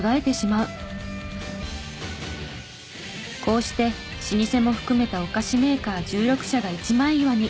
こうして老舗も含めたお菓子メーカー１６社が一枚岩に。